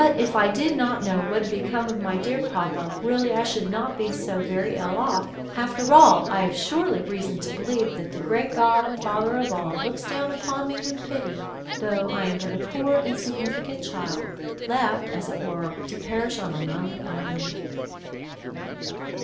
If I did but know what had become of my dear papa, really I should not be so very ill off, after all; I have surely reason to believe that the great God and Father of all looks down upon me with pity, though I am but a poor insignificant child, left (as it were) to perish on a lonely island."